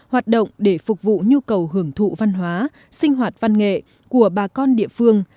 hoạt động để phục vụ nhu cầu hưởng thụ văn hóa sinh hoạt văn nghệ của bà con địa phương